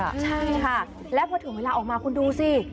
ใช่ค่ะแล้วพอถึงเวลาออกมาคุณดูสิ